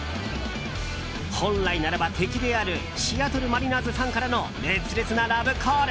本来ならば敵であるシアトルマリナーズファンからの熱烈なラブコール。